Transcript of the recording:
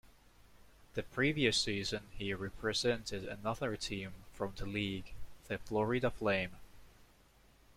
The previous season, he represented another team from the league, the Florida Flame.